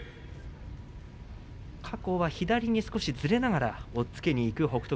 過去は左に少しずれながら押っつけにいく北勝